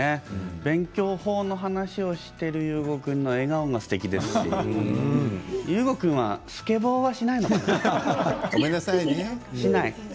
勉強法の話をしている有吾君の笑顔がすてきですし有吾君はスケボーはしないのかな？